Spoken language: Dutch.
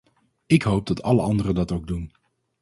Ik hoop dat alle anderen dat ook doen.